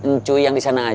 ncuy yang disana aja gak tau